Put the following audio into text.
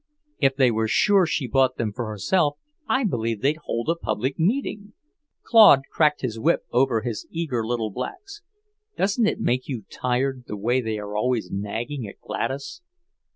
If they were sure she bought them for herself, I believe they'd hold a public meeting." Claude cracked his whip over his eager little blacks. "Doesn't it make you tired, the way they are always nagging at Gladys?"